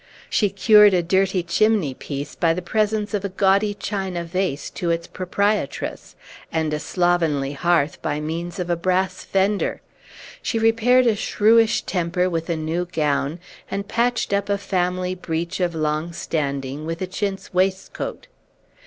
She cured a dirty chimney piece by the present of a gaudy china vase to its proprietress, and a slovenly hearth by means of a brass fender. She repaired a shrewish temper with a new gown, and patched up a family breach of long standing with a chintz waistcoat.